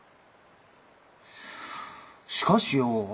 しかしよ